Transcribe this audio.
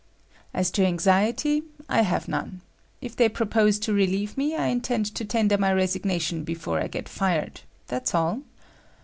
As to anxiety, I have none. If they propose to relieve me, I intend to tender my resignation before I get fired,—that's all.